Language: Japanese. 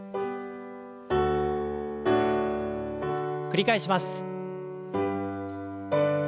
繰り返します。